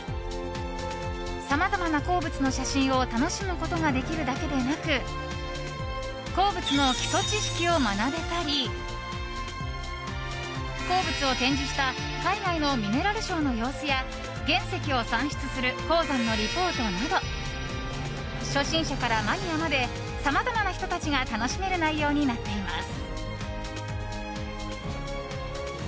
さまざまな鉱物の写真を楽しむことができるだけでなく鉱物の基礎知識を学べたり鉱物を展示した海外のミネラルショーの様子や原石を産出する鉱山のリポートなど初心者からマニアまでさまざまな人たちが楽しめる内容になっています。